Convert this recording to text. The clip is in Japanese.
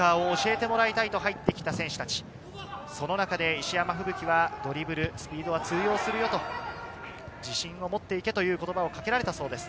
石山風吹がドリブル、スピードが通用すると、自信を持っていけという言葉をかけられたそうです。